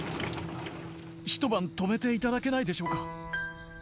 一晩泊めていただけないでしょうか？